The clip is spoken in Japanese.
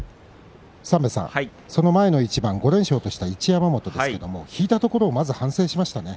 その前の一番、５連勝とした一山本ですけれど引いたところをまず反省しましたね。